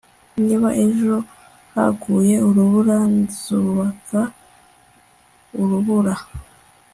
niba ejo haguye urubura, nzubaka urubura